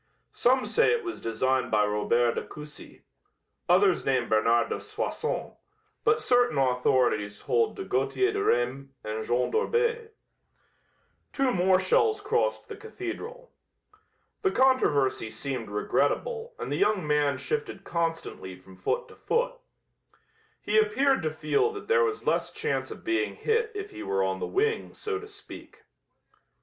Some say it was designed by Robert de Coucy; others name Bernard de Soissons, but certain authorities hold to Gauthier de Reims and Jean d'Orbais." Two more shells crossed the cathedral. The controversy seemed regrettable and the young man shifted constantly from foot to foot. He appeared to feel that there was less chance of being hit if he were on the wing, so to speak.